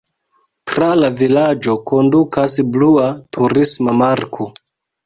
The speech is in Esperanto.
Tra la vilaĝo kondukas blua turisma marko.